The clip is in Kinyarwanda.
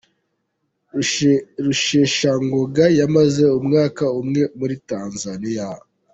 Rusheshangoga yamaze umwaka umwe muri Tanzania